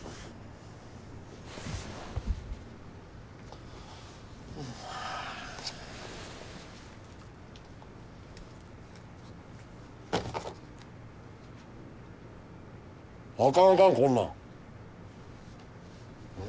あかんあかんこんなん。